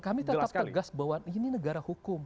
kami tetap tegas bahwa ini negara hukum